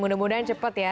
mudah mudahan cepat ya